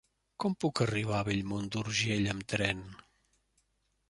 Com puc arribar a Bellmunt d'Urgell amb tren?